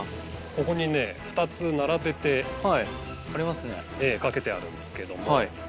ここにね２つ並べて掛けてあるんです。